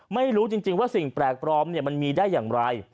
ไม่รู้จริงว่าสิ่งแปลกปลอมมันมีได้อย่างไร